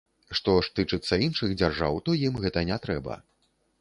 Што ж тычыцца іншых дзяржаў, то ім гэта не трэба.